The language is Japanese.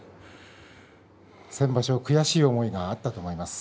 先場所、悔しい思いがあったと思います。